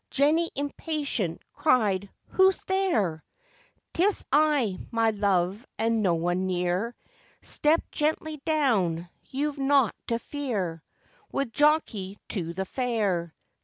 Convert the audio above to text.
Jenny impatient cried, 'Who's there?' ''Tis I, my love, and no one near; Step gently down, you've nought to fear, With Jockey to the fair.